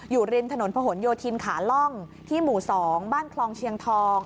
อยู่รินถนนผนโยธินขาล่องที่หมู่สองบ้านคลองเชียงทอง